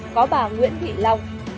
có bà nguyễn thị long